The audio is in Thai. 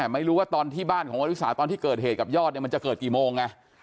ไม่รู้ว่าตอนที่บ้านของวาริสาตอนที่เกิดเหตุกับยอดมันจะเกิดกี่โมงไง